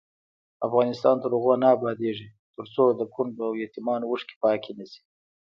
افغانستان تر هغو نه ابادیږي، ترڅو د کونډو او یتیمانو اوښکې پاکې نشي.